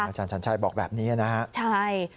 อาจารย์ชันชัยบอกแบบนี้นะครับ